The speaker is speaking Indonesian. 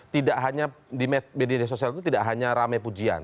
tidak hanya di media sosial itu tidak hanya rame pujian